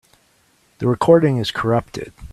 This recording is corrupted.